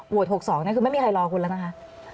วด๖๒คือไม่มีใครรอกุณแล้วนะคะ